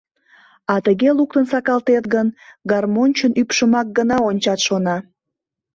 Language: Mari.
А тыге луктын сакалтет гын, гармоньчын ӱпшымак гына ончат, шона.